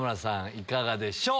いかがでしょう？